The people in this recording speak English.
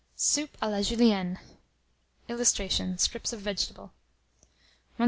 SOUP A LA JULIENNE. [Illustration: STRIPS OF VEGETABLE.] 131.